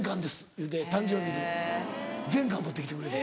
言うて誕生日に全巻持って来てくれた。